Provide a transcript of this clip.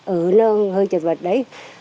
ở nó hơi chật vật đấy